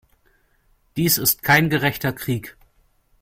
Dies ist kein gerechter Krieg.